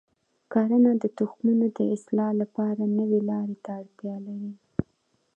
کرنه د تخمونو د اصلاح لپاره نوي لارې ته اړتیا لري.